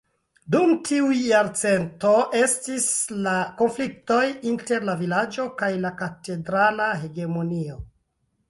Dum tiuj jarcento oftis la konfliktoj inter la vilaĝo kaj la katedrala hegemonio.